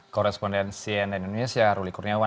korresponden cnn indonesia ruli kurniawan